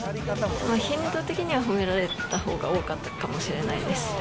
頻度的には褒められたほうが多かったかもしれないです。